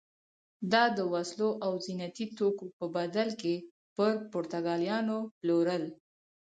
دا د وسلو او زینتي توکو په بدل کې پر پرتګالیانو پلورل.